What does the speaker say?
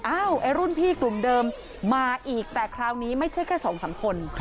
ไอ้รุ่นพี่กลุ่มเดิมมาอีกแต่คราวนี้ไม่ใช่แค่สองสามคน